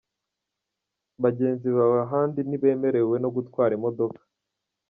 bagenzi bawe ahandi nti bemerewe no gutwara imodoka!.